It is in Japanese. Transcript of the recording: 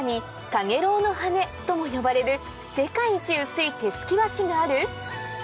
「カゲロウの羽」とも呼ばれる世界一薄い手漉き和紙がある⁉